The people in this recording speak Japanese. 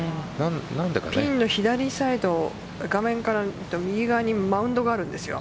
ピンの左サイド画面から右側にマウンドがあるんですよ。